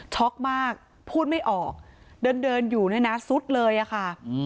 ช็อกมากพูดไม่ออกเดินอยู่เนี่ยนะซุดเลยอะค่ะ